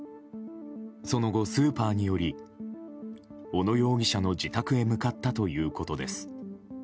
その後、スーパーに寄り小野容疑者の自宅へ向かったということです。